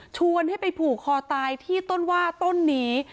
ชวนให้ไปผูกคอตายที่ต้นว่าต้นนี้